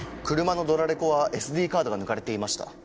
車のドラレコはＳＤカードが抜かれていました。